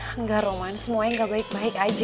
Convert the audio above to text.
enggak roman semuanya gak baik baik aja